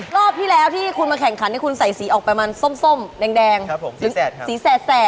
รอบที่แล้วที่คุณมาแข่งขันคุณใส่สีออกประมาณส้มแดงสีแสด